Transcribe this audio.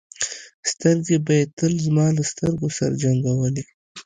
سترګې به یې تل زما له سترګو سره جنګولې.